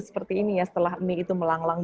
seperti ini ya setelah mie itu melanglang